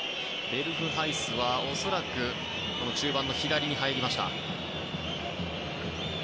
ベルフハイスは恐らく中盤の左に入りました。